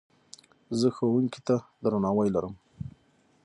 زه ښوونکي ته درناوی لرم.